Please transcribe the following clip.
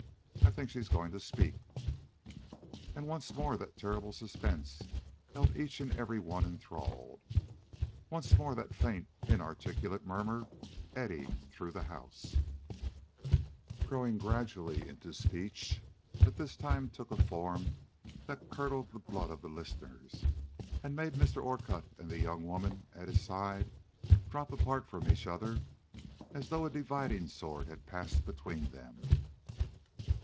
I think she is going to speak." And once more that terrible suspense held each and every one enthralled: once more that faint, inarticulate murmur eddied through the house, growing gradually into speech that this time took a form that curdled the blood of the listeners, and made Mr. Orcutt and the young woman at his side drop apart from each other as though a dividing sword had passed between them.